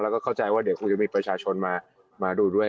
และเข้าใจว่าจะมีประชาชนมาด้วย